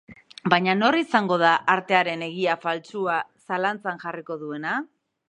Baina nor izango da artearen egia faltsua zalantzan jarriko duena?